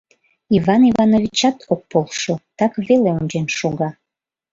Иван Ивановичат ок полшо, так веле ончен шога.